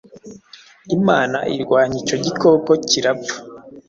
Imana irwanya icyo gikokokirapfa